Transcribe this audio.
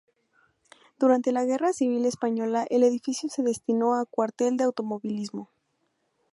Durante la Guerra Civil Española el edificio se destinó a Cuartel de Automovilismo.